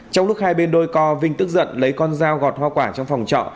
trong lúc hai bên đôi co vinh tức giận lấy con dao gọt hoa quả trong phòng trọ